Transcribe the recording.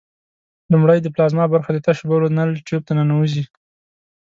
لومړی د پلازما برخه د تشو بولو نل ټیوب ته ننوزي.